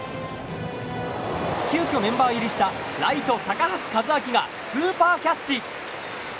急きょメンバー入りしたライトの高橋一瑛がスーパーキャッチ！